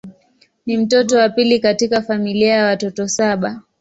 Ni mtoto wa pili katika familia ya watoto saba.